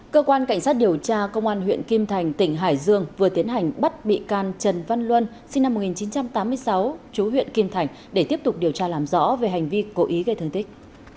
cơ quan cảnh sát điều tra công an huyện kim thành tỉnh hải dương vừa tiến hành bắt bị can trần văn luân sinh năm một nghìn chín trăm tám mươi sáu chú huyện kim thành để tiếp tục điều tra làm rõ về hành vi cố ý gây thương tích